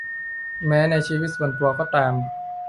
แม้ในชีวิตส่วนตัวก็ตาม